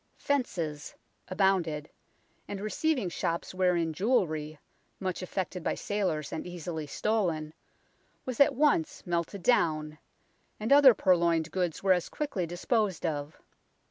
" Fences " abounded, and receiving shops wherein jewellery, much affected by sailors and easily stolen, was at once melted down, and other purloined goods were as quickly disposed of.